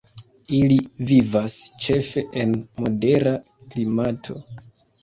Ili vivas ĉefe en modera klimato.